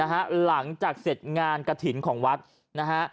หลังจากเสร็จงานกระถิ่นของวัดนะฮะ